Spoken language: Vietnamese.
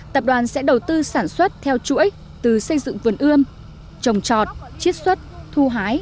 tập đoàn sẽ đầu tư sản xuất theo chuỗi từ xây dựng vườn ươm trồng trọt chiết xuất thu hái